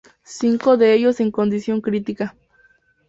Cinco de ellos en condición crítica.